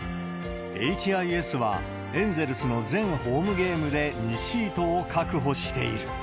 ＨＩＳは、エンゼルスの全ホームゲームで２シートを確保している。